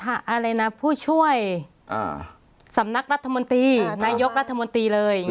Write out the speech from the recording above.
อะไรนะผู้ช่วยสำนักรัฐมนตรีนายกรัฐมนตรีเลย